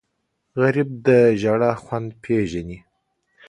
غریب د ژړا خوند پېژني